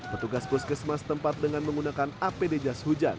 petugas puskesmas tempat dengan menggunakan apd jas hujan